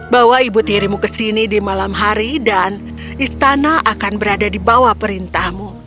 bawa ibu tirimu ke sini di malam hari dan istana akan berada di bawah perintahmu